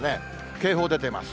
警報出てます。